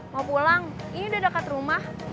mau pulang ini udah dekat rumah